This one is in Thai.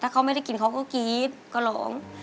เขาไม่ได้กินเขาก็กรี๊ดก็ร้อง